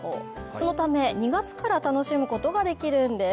そのため２月から楽しむことができるんです。